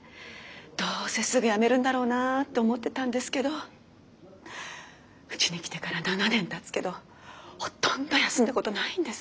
どうせすぐ辞めるんだろうなと思ってたんですけどうちに来てから７年たつけどほとんど休んだことないんです。